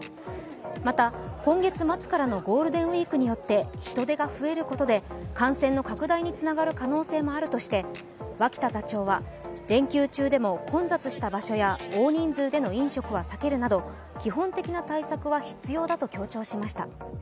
また今月末からのゴールデンウイークによって人出が増えることで感染の拡大につながる可能性もあるとして、脇田座長は連休中でも混雑した場所や大人数での飲食を避けるなど基本的な対策は必要だと強調しました。